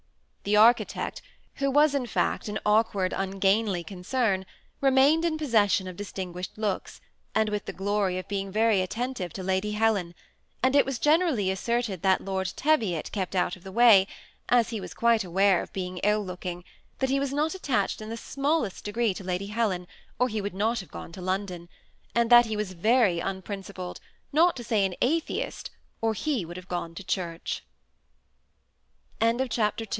The architect, who was in fact an awkward, ungainly concern, remained in possession of distinguished looks, and with the glory of being very attentive to Lady Helen ; and it was generally asserted that Lord Teviot kept out 20 THE SEMI ATTAOHED COUPLE. of the way — as he was quite aware of being ill looking ; that he was not attached in the smallest degree to Ladj Helen, or he would not have gone to London ; and that he was very unprincipled, not to Bay an atheist, or he ^ woul